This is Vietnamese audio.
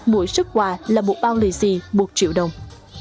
mỗi xuất quà là một bao lì xì một triệu đồng